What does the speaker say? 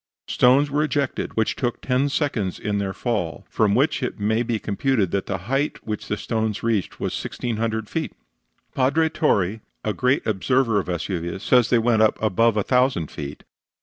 Stones were ejected which took ten seconds in their fall, from which it may be computed that the height which the stones reached was 1,600 feet. Padre Torre, a great observer of Vesuvius, says they went up above a thousand feet.